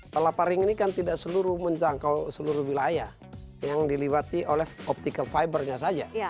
palaparing ini kan tidak seluruh menjangkau seluruh wilayah yang dilewati oleh optical fibernya saja